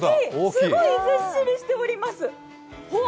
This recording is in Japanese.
すごいずっしりしています。